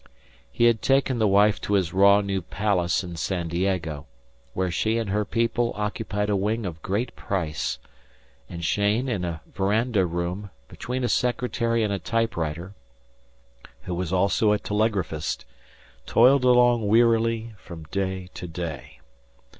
He had taken the wife to his raw new palace in San Diego, where she and her people occupied a wing of great price, and Cheyne, in a veranda room, between a secretary and a typewriter, who was also a telegraphist, toiled along wearily from day to day.